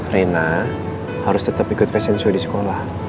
rena harus tetap ikut fashion show di sekolah